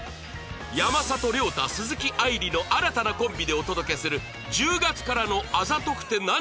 山里亮太鈴木愛理の新たなコンビでお届けする１０月からの『あざとくて何が悪いの？』